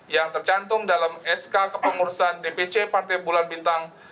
yang tercantum dalam sk kepengurusan dpc partai bulan bintang